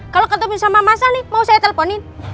kalau ketemu sama mas al nih mau saya teleponin